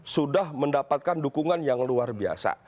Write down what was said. sudah mendapatkan dukungan yang luar biasa